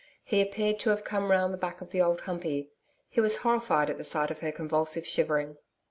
He appeared to have come round the back of the Old Humpey. He was horrified at the sight of her convulsive shivering.